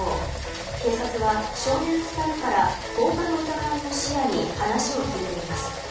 警察は少年２人から放火の疑いも視野に話を聞いています。